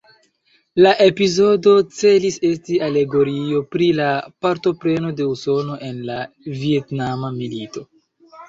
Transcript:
La epizodo celis esti alegorio pri la partopreno de Usono en la Vjetnama Milito.